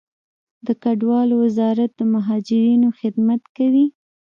د کډوالو وزارت د مهاجرینو خدمت کوي